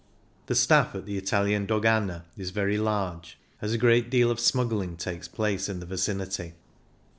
The staff at the Italian dogana is very large, as a great deal of smuggling takes place in the vicinity.